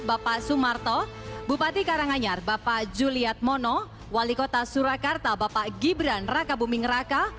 bapak sumarto bupati karanganyar bapak juliet mono wali kota surakarta bapak gibran raka buming raka